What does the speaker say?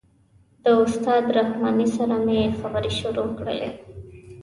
د استاد رحماني سره مې خبرې شروع کړلې.